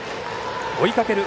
追いかける